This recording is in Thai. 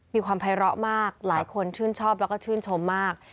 มีความภัยร้อมากหลายคนชื่นชอบแล้วก็ชื่นชมมาก